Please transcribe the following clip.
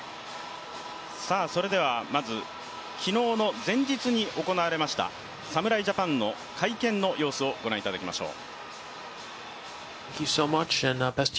それではまず昨日の前日の行われました侍ジャパンの会見の様子をご覧いただきましょう。